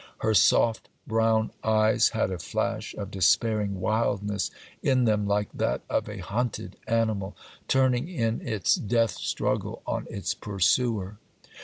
Her soft brown eyes had a flash of despairing wildness in them, like that of a hunted animal turning in its death struggle on its pursuer.